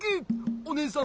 おねえさん